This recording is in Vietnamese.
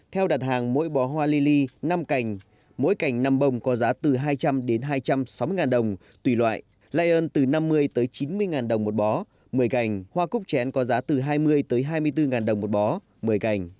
theo đặt hàng mỗi bó hoa lili năm cành mỗi cành năm bông có giá từ hai trăm linh đến hai trăm sáu mươi ngàn đồng tùy loại lây ơn từ năm mươi tới chín mươi ngàn đồng một bó một mươi gành hoa cúc chén có giá từ hai mươi hai mươi bốn đồng một bó một mươi gành